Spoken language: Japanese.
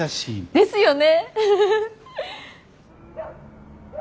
ですよね！